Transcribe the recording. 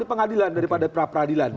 pengadilan daripada pra peradilan